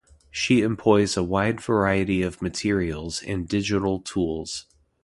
She employs a wide variety of materials and digital tools.